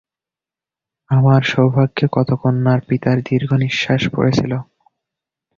আমার সৌভাগ্যে কত কন্যার পিতার দীর্ঘনিশ্বাস পড়েছিল।